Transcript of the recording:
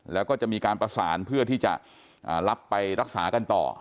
แล้วก็จะมีการประสานเพื่อที่จะรับไปรักษากันต่อ